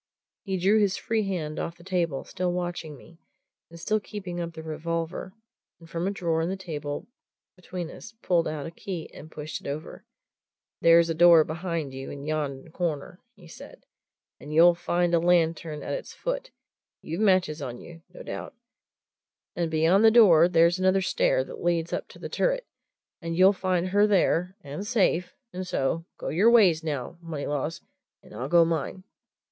He drew his free hand off the table, still watching me, and still keeping up the revolver, and from a drawer in the table between us pulled out a key and pushed it over. "There's a door behind you in yon corner," he said. "And you'll find a lantern at its foot you've matches on you, no doubt. And beyond the door there's another stair that leads up to the turret, and you'll find her there and safe and so go your ways, now, Moneylaws, and I'll go mine!"